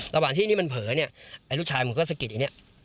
ระหว่างที่นี่มันเผลอเนี่ยไอ้ลูกชายมันก็สะกิดไอ้เนี่ย